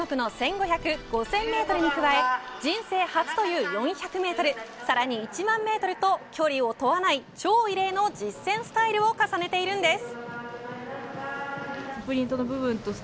メーン種目の１５００５０００メートルに加え人生初という４００メートルさらに１００００メートルと距離を問わない超異例の実戦スタイルを重ねているんです。